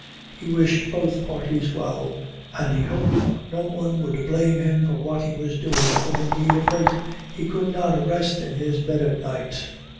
He wished both parties well, and he hoped no one would blame him for what he was doing, for, indeed, of late, he could not rest in his bed at night.